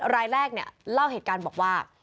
รายแรกเนี่ยเล่าเหตุการณ์บอกว่า